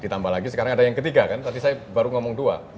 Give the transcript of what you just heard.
ditambah lagi sekarang ada yang ketiga kan tadi saya baru ngomong dua